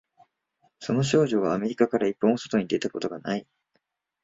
その少女はアメリカから一歩も外に出たことがない